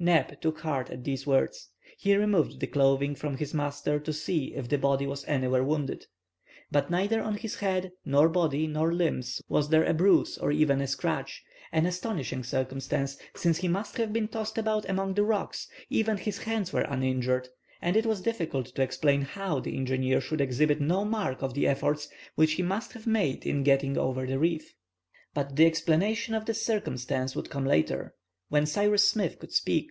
Neb took heart at these words. He removed the clothing from his master to see if his body was anywhere wounded. But neither on his head nor body nor limbs was there a bruise or even a scratch, an astonishing circumstance, since he must have been tossed about among the rocks; even his hands were uninjured, and it was difficult to explain how the engineer should exhibit no mark of the efforts which he must have made in getting over the reef. But the explanation of this circumstance would come later, when Cyrus Smith could speak.